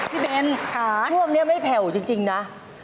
เบ้นช่วงนี้ไม่แผ่วจริงนะ